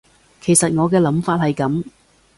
其實我嘅諗法係噉